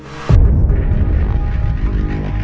isi tempatmu lagi